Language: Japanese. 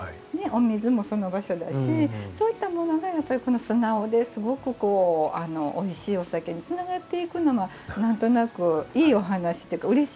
お水もその場所だしそういったものがやっぱり素直ですごくおいしいお酒につながっていくのが何となくいいお話っていうかうれしいです。